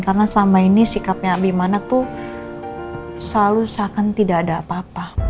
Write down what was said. karena selama ini sikapnya abimane tuh selalu seakan tidak ada apa apa